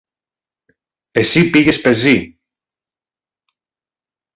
Εσύ πήγες πεζή.